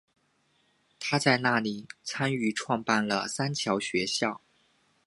她在那里参与创办了三桥学校。